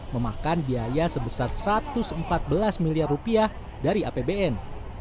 memakan biaya sebesar satu ratus empat belas miliar rupiah dari apbn